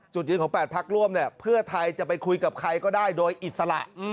จุดยืนของ๘พักร่วมเนี่ยเพื่อไทยจะไปคุยกับใครก็ได้โดยอิสระ